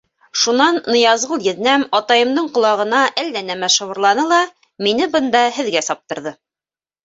Шунан Ныязғол еҙнәм атайымдың ҡолағына әллә нәмә шыбырланы ла мине бында һеҙгә саптырҙы.